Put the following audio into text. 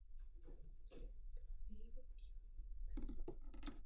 Byl poctěn právem nést britskou vlajku při závěrečném ceremoniálu londýnské olympiády.